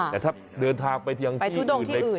แต่ถ้าเดินทางไปยังที่อื่นใน